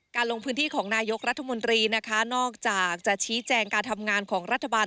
ลงพื้นที่ของนายกรัฐมนตรีนะคะนอกจากจะชี้แจงการทำงานของรัฐบาล